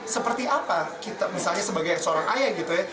seperti apa kita misalnya sebagai seorang ayah gitu ya